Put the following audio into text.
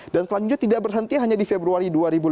dan selanjutnya tidak berhenti hanya di februari dua ribu lima belas